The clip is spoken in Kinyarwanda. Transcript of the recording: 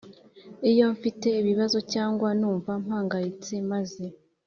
Iyo mfite ibibazo cyangwa numva mpangayitse maze